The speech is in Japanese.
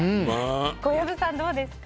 小籔さん、どうですか？